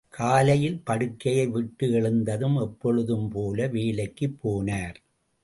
காலையில் படுக்கையை விட்டு எழுந்ததும், எப்பொழுதும் போல வேலைக்கும் போனார்.